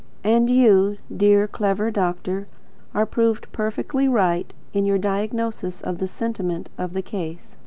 And you, dear, clever doctor, are proved perfectly right in your diagnosis of the sentiment of the case.